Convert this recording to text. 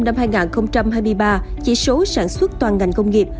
năm hai nghìn hai mươi ba chỉ số sản xuất toàn ngành công nghiệp